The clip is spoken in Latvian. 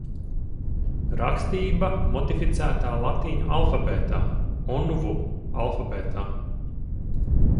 Rakstība modificētā latīņu alfabētā – Onvu alfabētā.